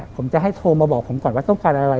ผมจะให้โทรมาบอกผมก่อนว่าต้องการอะไร